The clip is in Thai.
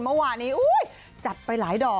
เมื่อวานนี้จัดไปหลายดอก